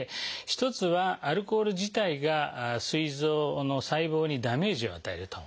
一つはアルコール自体がすい臓の細胞にダメージを与えると。